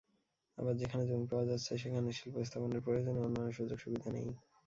আবার যেখানে জমি পাওয়া যাচ্ছে, সেখানে শিল্প স্থাপনের প্রয়োজনীয় অন্যান্য সুযোগ-সুবিধা নেই।